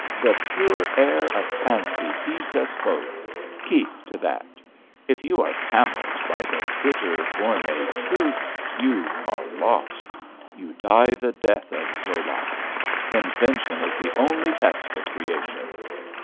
The pure air of fancy feeds us both; keep to that. If you are trammelled by the bitter, bornee truth, you are 242 ABAFT THE FUNNEL lost. You die the death of Zola. Invention is the only test of creation.'